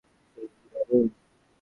যে-- কি দারুন!